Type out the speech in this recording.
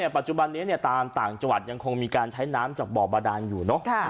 ปัจจุบันนี้เนี่ยตามต่างจวัดแล้วยังคงมีการใช้น้ำจากอทหารอยู่เนอะ